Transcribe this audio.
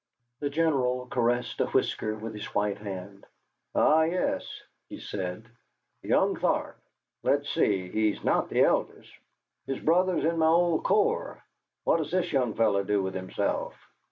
The General caressed a whisker with his white hand. "Ah yes," he said "young Tharp! Let's see, he's not the eldest. His brother's in my old corps. What does this young fellow do with himself?"